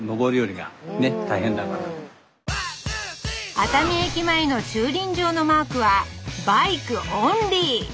熱海駅前の駐輪場のマークはバイクオンリー！